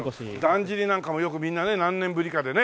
だんじりなんかもよくみんなね何年ぶりかでね。